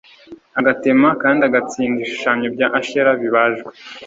agatema kandi agatsinda ibishushanyo bya Ashera bibajwe